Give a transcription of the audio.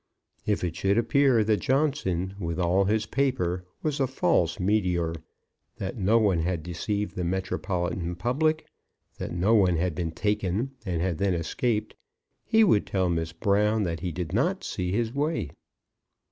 If it should appear that Johnson, with all his paper, was a false meteor; that no one had deceived the metropolitan public; that no one had been taken and had then escaped, he would tell Miss Brown that he did not see his way.